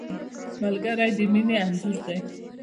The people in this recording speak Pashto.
ملګری د مینې انځور دی